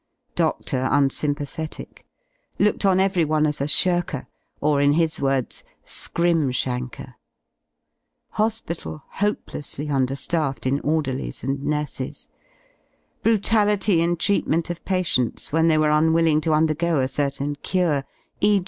Doctor unsympathetic: looked on everyone as a shirker or, in his words, "skrimshanker." Hospital hopelessly under ^ffed in orderlies and nurses. Brutality in treatment of ^~^ patients when they were unwilling to undergo a certain / cure, e.